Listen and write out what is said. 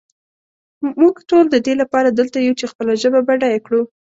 مونږ ټول ددې لپاره دلته یو چې خپله ژبه بډایه کړو.